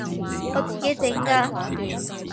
我自己整㗎